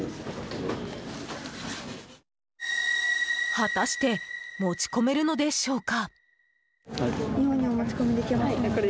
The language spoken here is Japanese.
果たして持ち込めるのでしょうか？